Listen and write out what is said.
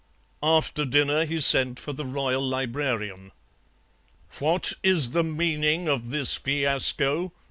After dinner he sent for the Royal Librarian. "'What is the meaning of this fiasco?'